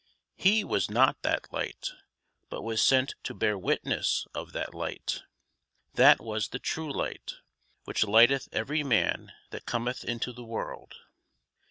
He was not that Light, but was sent to bear witness of that Light. That was the true Light, which lighteth every man that cometh into the world.